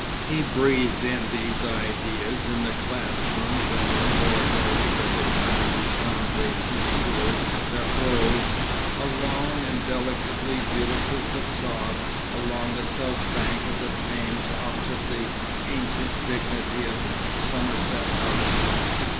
He breathed in these ideas in the class rooms and laboratories of the Carnegie Foundation school that rose, a long and delicately beautiful facade, along the South Bank of the Thames opposite the ancient dignity of Somerset House.